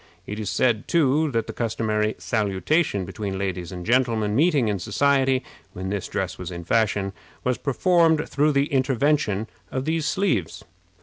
It is said, too, that the customary salutation between ladies and gentlemen meeting in society, when this dress was in fashion, was performed through the intervention of these sleeves.